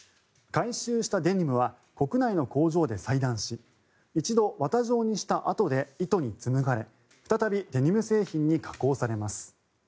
回収したデニムは国内の工場で裁断し一度、綿状にしたあとで糸に紡がれ再びデニム製品に加工されます。